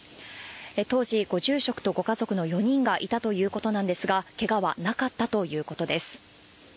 当時、ご住職とご家族の４人がいたということなんですが、けがはなかったということです。